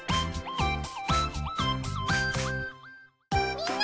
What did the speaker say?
みんな！